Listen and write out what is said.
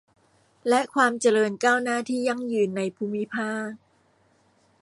และความเจริญก้าวหน้าที่ยั่งยืนในภูมิภาค